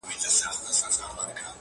هم په زور كي موږكان نه وه زمري وه!.